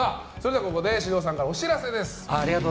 ここで獅童さんからお知らせです。